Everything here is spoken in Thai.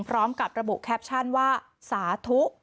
พร้อมกับระบุแคปชั่นว่าสาธุ